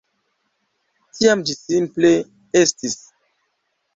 Tiam ĝi simple estis.